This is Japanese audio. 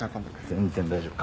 全然大丈夫。